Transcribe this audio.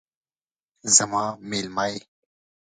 زما میلمه یې